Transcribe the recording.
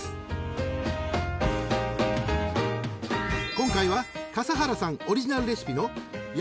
［今回は笠原さんオリジナルレシピの］